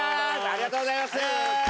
ありがとうございます。